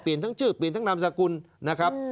ทั้งชื่อเปลี่ยนทั้งนามสกุลนะครับ